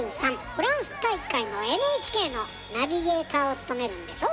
フランス大会のＮＨＫのナビゲーターを務めるんでしょ？